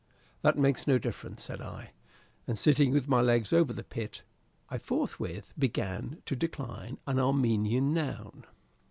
"That makes no difference," said I; and, sitting with my legs over the pit, I forthwith began to decline an Armenian noun.